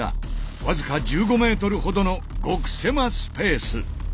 僅か１５ｍほどの極狭スペース。